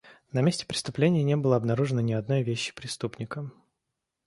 На месте преступления не было обнаружено ни одной вещи преступника.